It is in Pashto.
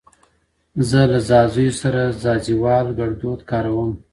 زه له ځاځیو سره ځاځیوال ګړدود کاروم.